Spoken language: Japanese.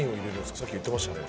さっき言ってましたね」